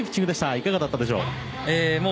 いかがだったでしょう？